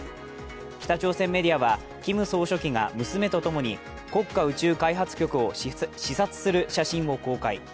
北朝鮮メディアはキム総書記が娘とともに国家宇宙開発局を視察する写真を公開。